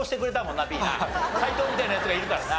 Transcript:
斎藤みたいなヤツがいるからな。